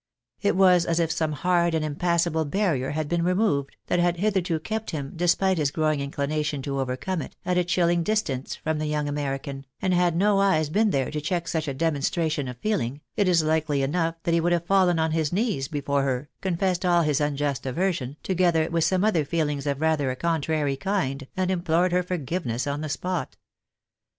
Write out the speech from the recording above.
It was as if some hard and impassable barrier had been removed, that had hitherto kept him, despite his growing inclination to overcome it, at a chilling distance, from the young American, and had no eyes been there to check such a demonstration of feeling, it is likely enough that he would Lave fallen on his knees before her, confessed all his unjust aversion,, together with some other feelings of rather a contrary kind, and implored her forgiveness on the spot.